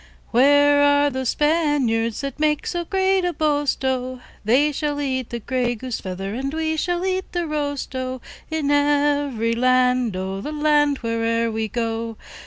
Where are those Spaniards, That make so great a boast, O? They shall eat the grey goose feather, And we will eat the roast, O, In every land, O, The land where'er we go.